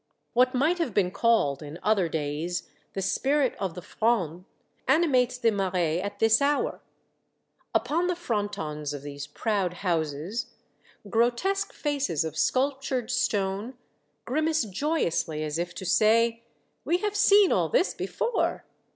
What might have been called, in other days, the spirit of the Fronde, animates the Marais at this hour. Upon the frontons of these proud houses, grotesque faces of sculptured stone, gri mace joyously, as if to say, " We have seen all this before